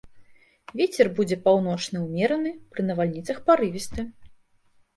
Вецер будзе паўночны ўмераны, пры навальніцах парывісты.